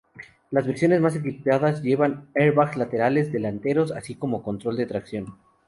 Las versiones más equipadas llevan airbags laterales delanteros, así como control de tracción.